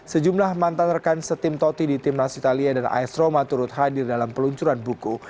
sejumlah mantan rekan setim toti di timnas italia dan as roma turut hadir dalam peluncuran buku